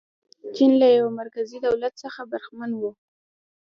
چین له یوه مرکزي دولت څخه برخمن و.